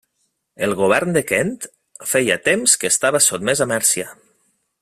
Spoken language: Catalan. El govern de Kent feia temps que estava sotmès a Mèrcia.